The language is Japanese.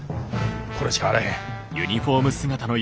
これしかあらへん。